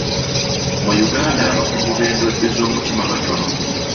Mu Uganda abakugu b'endwadde z'omutima batono.